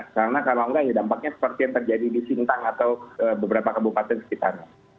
karena kalau enggak dampaknya seperti yang terjadi di sintang atau beberapa kabupaten sekitarnya